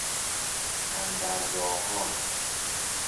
اندر گاهان